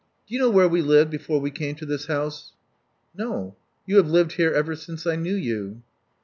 Do you know where we lived before we came to this house?" No. You have lived here ever since I knew you."